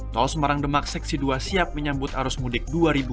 tol semarang demak seksi dua siap menyambut arus mudik dua ribu dua puluh